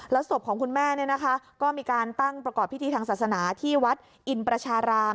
แล้วศพของคุณแม่เนี่ยนะคะก็มีการตั้งประกอบพิธีทางศาสนาที่วัดอินต์ประชาราม